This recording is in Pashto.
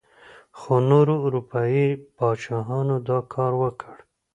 خو نورو اروپايي پاچاهانو دا کار وکړ.